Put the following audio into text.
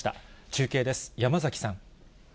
中継です、山崎さん。